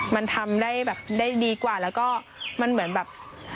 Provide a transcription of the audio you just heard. มันทำได้แบบได้ดีกว่าแล้วก็มันเหมือนแบบ